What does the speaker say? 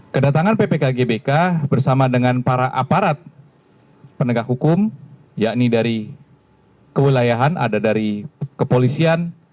kedatangan ppk gbk bersama dengan para aparat penegak hukum yakni dari kewilayahan ada dari kepolisian